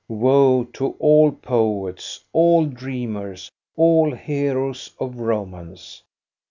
Woe to all poets, all dreamers, all heroes of romance